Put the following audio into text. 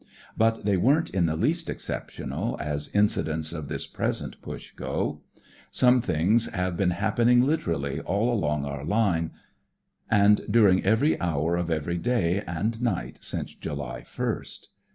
But they weren't in the least exceptional, as incidents of this present Push go. Such things have been happening, literally, all along our line, and during every hour of every day and night since July 1st."